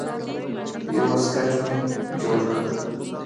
يو واسکټ مې جوړ کړ.